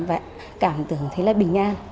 và cảm tưởng thấy là bình an